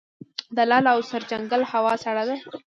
د لعل او سرجنګل هوا سړه ده